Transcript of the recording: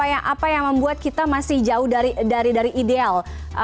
apa yang membuat kita masih jauh dari ideal